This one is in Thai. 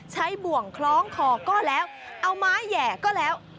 บ่วงคล้องคอก็แล้วเอาไม้แห่ก็แล้ว